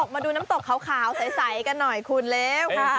มาดูน้ำตกขาวใสกันหน่อยคุณแล้วค่ะ